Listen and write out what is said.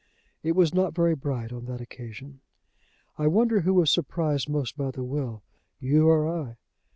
It was not very bright on that occasion. "I wonder who was surprised most by the will, you or I?"